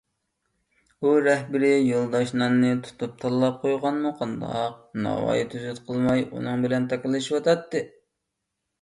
ئۇ رەھبىرىي يولداش ناننى تۇتۇپ تاللاپ قويغانمۇ قانداق، ناۋاي تۈزۈت قىلماي ئۇنىڭ بىلەن تاكاللىشىۋاتاتتى.